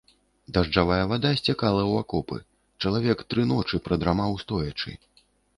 Дажджавая вада сцякала ў акопы, чалавек тры ночы прадрамаў стоячы.